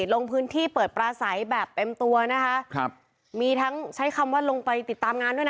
ลงพื้นที่เปิดปลาใสแบบเต็มตัวนะคะครับมีทั้งใช้คำว่าลงไปติดตามงานด้วยนะ